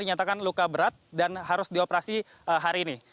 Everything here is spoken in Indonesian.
dinyatakan luka berat dan harus dioperasi hari ini